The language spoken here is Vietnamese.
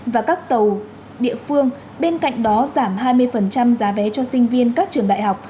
và các tàu địa phương bên cạnh đó giảm hai mươi giá vé cho sinh viên các trường đại học